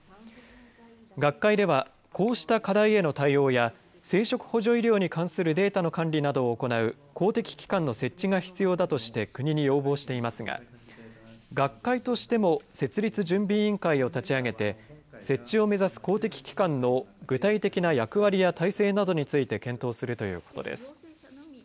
学会ではこうした課題への対応や生殖補助医療に関するデータの管理などを行う公的機関の設置が必要だとして国に要望していますが学会としても設立準備委員会を立ち上げて設置を目指す公的機関の具体的な役割や体制などについて検討するということです。